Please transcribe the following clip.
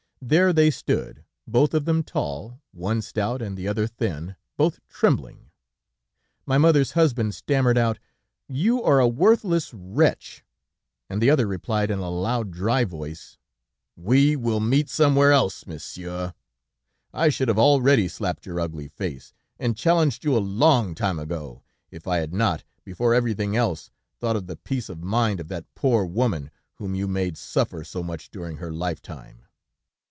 There they stood, both of them tall, one stout and the other thin, both trembling. My mother's husband stammered out: 'You are a worthless wretch!' And the other replied in a loud, dry voice: 'We will meet somewhere else, monsieur. I should have already slapped your ugly face, and challenged you a long time ago, if I had not, before everything else, thought of the peace of mind of that poor woman whom you made suffer so much during her lifetime.'